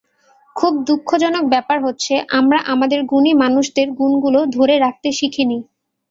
খুব দুঃখজনক ব্যাপার হচ্ছে, আমরা আমাদের গুণী মানুষদের গুণগুলো ধরে রাখতে শিখিনি।